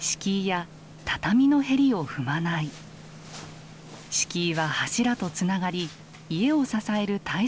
敷居は柱とつながり家を支える大切な部分なので踏まない。